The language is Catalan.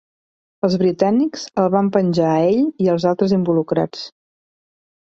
Els britànics el van penjar a ell i als altres involucrats.